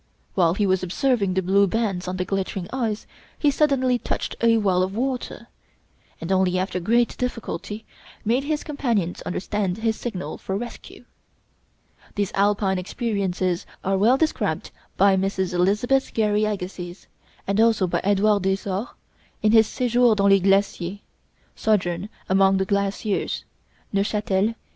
While he was observing the blue bands on the glittering ice, he suddenly touched a well of water, and only after great difficulty made his companions understand his signal for rescue. These Alpine experiences are well described by Mrs. Elizabeth Gary Agassiz, and also by Edouard Desors in his 'Séjours dans les Glaciers' (Sojourn among the Glaciers: Neufchâtel, 1844).